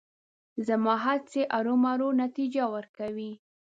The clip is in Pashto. زما هڅې ارومرو نتیجه ورکوي.